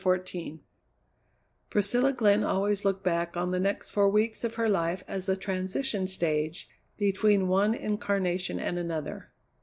CHAPTER XIV Priscilla Glenn always looked back on the next four weeks of her life as a transition stage between one incarnation and another.